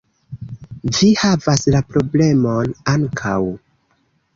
Vi havas la problemon ankaŭ